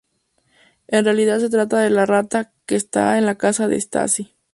En realidad se trata de la rata que está en la casa de Stacy.